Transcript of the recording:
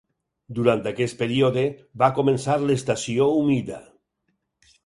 Durant aquest període, va començar l'estació humida.